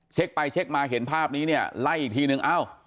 เช็คไปเช็คมาเห็นภาพนี้เนี่ยไล่อีกทีนึงเอ้า